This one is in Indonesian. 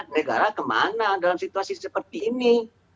negara kemana dalam situasi seperti ini